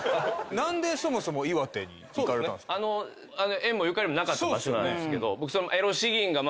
縁もゆかりもなかった場所なんですけど僕。